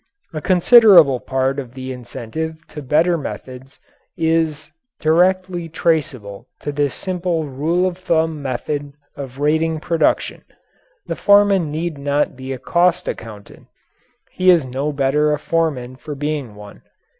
A considerable part of the incentive to better methods is directly traceable to this simple rule of thumb method of rating production. The foreman need not be a cost accountant he is no better a foreman for being one.